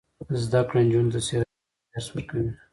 زده کړه نجونو ته د سیرت النبي درس ورکوي.